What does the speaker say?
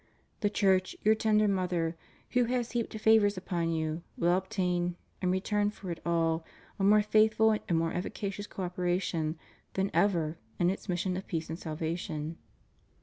The Church — ^your tender mother — who has heaped favors upon you, will obtain, in return for it all, a more faithful and more efficacious cooperation than ever in its mission of peace and salvation.